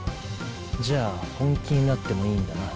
じゃあ本気になってもいいんだな？